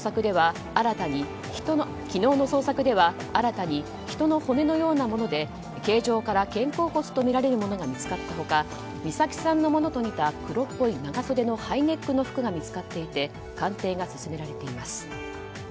昨日の捜索では新たに人の骨のようなもので形状から肩甲骨とみられるものが見つかった他美咲さんのものと似た黒っぽい長袖のハイネックの服が見つかっていて鑑定が進められています。